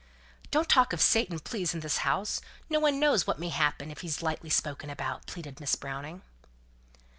'" "Don't talk of Satan, please, in this house. No one knows what may happen, if he's lightly spoken about," pleaded Miss Browning.